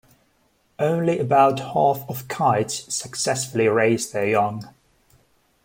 Only about half of kites successfully raise their young.